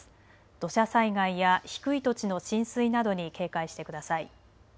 土砂災害や低い土地の浸水などに警戒してください。